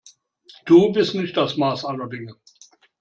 Du bist nicht das Maß aller Dinge.